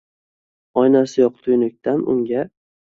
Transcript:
Oynasi yoʻq tuynukdan unga